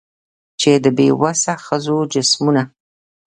چي د بې وسه ښځو جسمونه